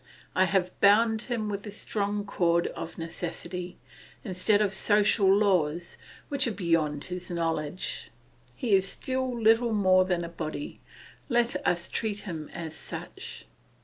I have bound him with the strong cord of necessity, instead of social laws, which are beyond his knowledge. He is still little more than a body; let us treat him as such.